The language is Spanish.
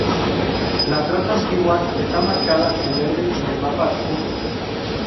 La traza antigua está marcada en verde en el mapa adjunto.